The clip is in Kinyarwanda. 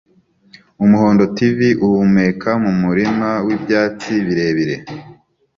Umuhondo ATV uhumeka mu murima wibyatsi birebire